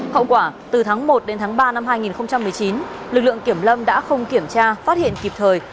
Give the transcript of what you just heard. hậu quả từ tháng một đến tháng ba năm hai nghìn một mươi chín lực lượng kiểm lâm đã không kiểm tra phát hiện kịp thời